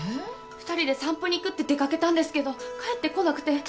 ２人で散歩に行くって出掛けたんですけど帰ってこなくて。